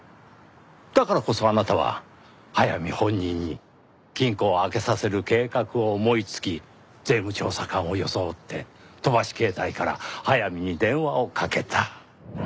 だからこそあなたは速水本人に金庫を開けさせる計画を思いつき税務調査官を装って飛ばし携帯から速水に電話をかけた。